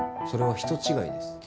それは人違いです。